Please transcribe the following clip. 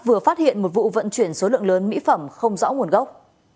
vừa phát hiện một vụ vận chuyển số lượng lớn mỹ phẩm không rõ nguồn gốc